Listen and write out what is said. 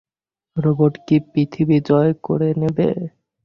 Robot কি পৃথিবী জয় করে নেবে?